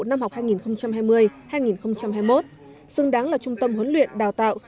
năm học hai nghìn hai mươi hai nghìn hai mươi một xứng đáng là trung tâm huấn luyện đào tạo